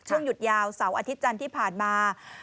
หยุดยาวเสาร์อาทิตย์จันทร์ที่ผ่านมา